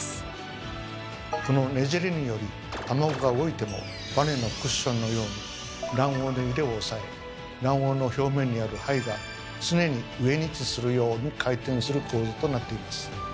このねじれにより卵が動いてもバネのクッションのように卵黄の揺れを抑え卵黄の表面にある胚が常に上に位置するように回転する構造となっています。